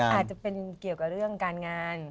อาจจะเป็นเกี่ยวกับเรื่องการงาน